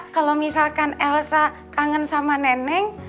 kalau misalkan elsa kangen sama nenek